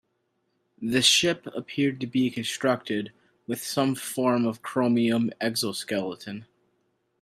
The ship appeared to be constructed with some form of chromium exoskeleton.